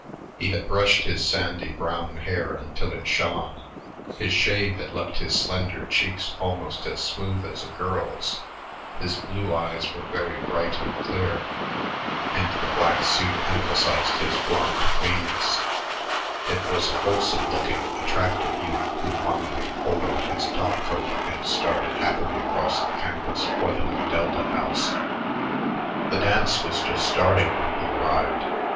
He had brushed his sandy brown hair until it shone; his shave had left his slender cheeks almost as smooth as a girl's; his blue eyes were very bright and clear; and the black suit emphasized his blond cleanness: it was a wholesome looking, attractive youth who finally pulled on his top coat and started happily across the campus for the Nu Delta house. The dance was just starting when he arrived.